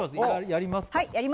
やりますか？